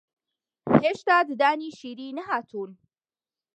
هێشتا ددانی شیری نەهاتوون